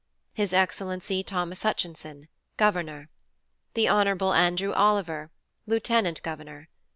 His Excellency THOMAS HUTCHINSON, Governor. The Hon. ANDREW OLIVER, Lieutenant Governor.